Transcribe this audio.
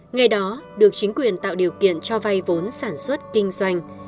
ngày đó được chính quyền tạo điều kiện cho vay vốn sản xuất kinh doanh